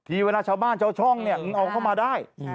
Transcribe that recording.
เวลาชาวบ้านชาวช่องเนี่ยมึงเอาเข้ามาได้